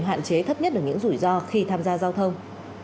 hạn chế thấp nhất được những rủi ro khi tham gia giao thông